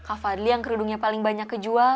kak fadli yang kerudungnya paling banyak kejual